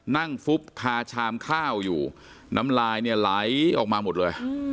ฟุบคาชามข้าวอยู่น้ำลายเนี่ยไหลออกมาหมดเลย